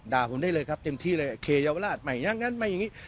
ด่าผมได้เลยครับเต็มที่เลยเคยาวราชไม่อย่างงั้นไม่อย่างงี้